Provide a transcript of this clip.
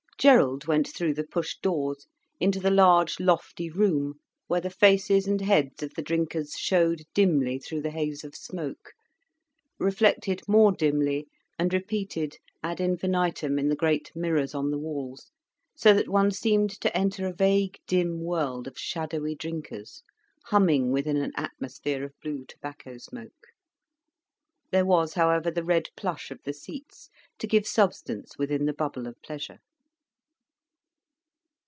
Gerald went through the push doors into the large, lofty room where the faces and heads of the drinkers showed dimly through the haze of smoke, reflected more dimly, and repeated ad infinitum in the great mirrors on the walls, so that one seemed to enter a vague, dim world of shadowy drinkers humming within an atmosphere of blue tobacco smoke. There was, however, the red plush of the seats to give substance within the bubble of pleasure.